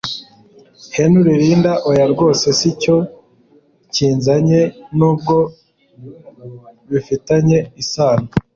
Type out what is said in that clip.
Henry Linda oya rwose sicyo kinzanye nubwo bifitanye isano